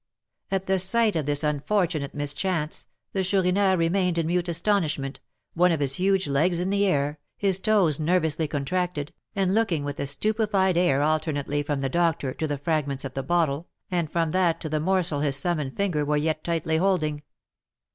At the sight of this unfortunate mischance the Chourineur remained in mute astonishment, one of his huge legs in the air, his toes nervously contracted, and looking with a stupefied air alternately from the doctor to the fragments of the bottle, and from that to the morsel his thumb and finger were yet tightly holding.